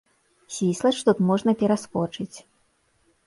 Свіслач тут можна пераскочыць.